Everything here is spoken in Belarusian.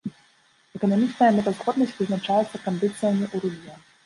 Эканамічная мэтазгоднасць вызначаецца кандыцыямі ў рудзе.